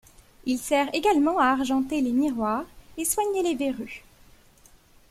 Il sert également à argenter les miroirs, et soigner les verrues.